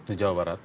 di jawa barat